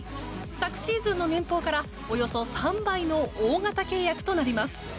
昨シーズンの年俸からおよそ３倍の大型契約となります。